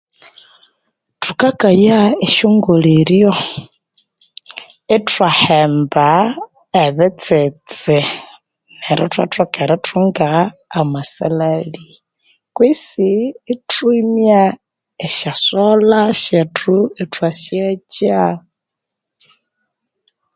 Thukakaya esyongoleryo ithwahemba ebitsitsi neryo ithwa thoka erithunga amasalhali kwisi ithwimya esyasolha syethu ithwasyakya